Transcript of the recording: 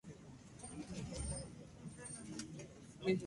El estudio del cosmos, desde cualquier punto de vista, se llama cosmología.